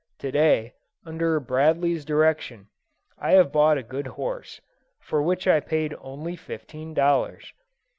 To day, under Bradley's direction, I have bought a good horse, for which I paid only fifteen dollars.